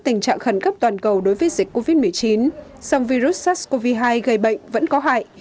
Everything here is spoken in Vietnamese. tình trạng khẩn cấp toàn cầu đối với dịch covid một mươi chín song virus sars cov hai gây bệnh vẫn có hại